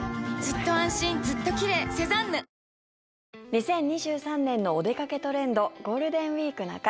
２０２３年のお出かけトレンド「ゴールデンウィークな会」。